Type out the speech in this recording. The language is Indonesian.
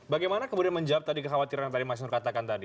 bagaimana kemudian menjawab tadi kekhawatiran yang tadi mas nur katakan tadi